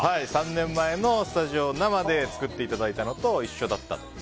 ３年前のスタジオ生で作っていただいたのと一緒だったと。